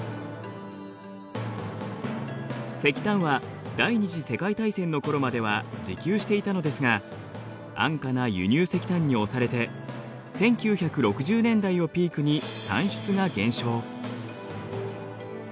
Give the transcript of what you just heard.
石炭は第２次世界大戦の頃までは自給していたのですが安価な輸入石炭に押されて１９６０年代をピークに産出が減少。